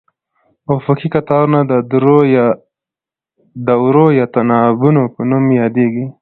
افقي قطارونه د دورو یا تناوبونو په نوم یادیږي.